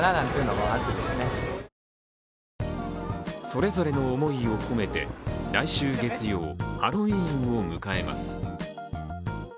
それぞれの思いを込めて来週月曜、ハロウィーンを迎えます。